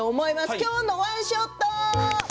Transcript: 「きょうのワンショット」。